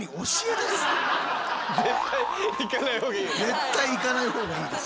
絶対行かないほうがいいです。